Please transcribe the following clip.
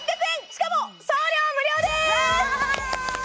しかも送料無料です！